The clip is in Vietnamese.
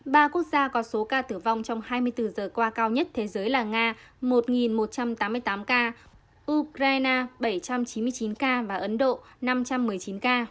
ba quốc gia có số ca tử vong trong hai mươi bốn giờ qua cao nhất thế giới là nga một một trăm tám mươi tám ca ukraine bảy trăm chín mươi chín ca và ấn độ năm trăm một mươi chín ca